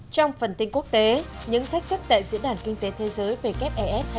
trong phần tin quốc tế những thách thức tại diễn đàn kinh tế thế giới vef hai nghìn một mươi chín